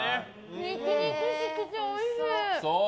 肉々しくておいしい！